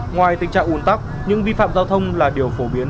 ngoài tình trạng ủn tắc những vi phạm giao thông là điều phổ biến